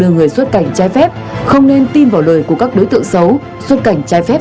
người xuất cảnh trái phép không nên tin vào lời của các đối tượng xấu xuất cảnh trái phép